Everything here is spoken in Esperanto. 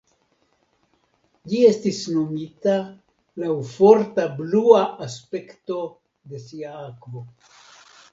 Ĝi estis nomita laŭ forta blua aspekto de sia akvo.